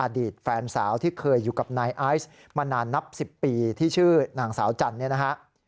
อดีตแฟนสาวที่เคยอยู่กับนายไอซ์มานานนับ๑๐ปีที่ชื่อนางสาวจันทร์เนี่ยนะฮะ